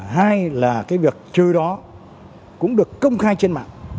hai là cái việc trừ đó cũng được công khai trên mạng